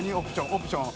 オプション？